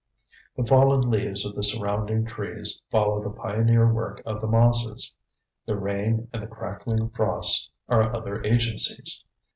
The fallen leaves of the surrounding trees follow the pioneer work of the mosses. The rain and the cracking frosts are other agencies.